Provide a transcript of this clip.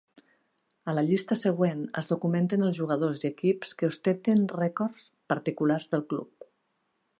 A la llista següent es documenten els jugadors i equips que ostenten rècords particulars del club.